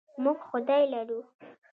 موږ خدای لرو.